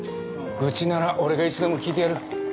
愚痴なら俺がいつでも聞いてやる。